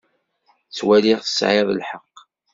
Ttwaliɣ tesɛiḍ lḥeqq.